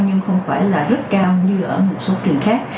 nhưng không phải là rất cao như ở một số trường khác